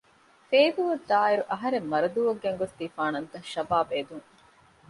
ފޭދޫއަށްދާއިރު އަހަރެން މަރަދޫއަށް ގެންގޮސްދީފާނަންތަ؟ ޝަބާބް އެދުން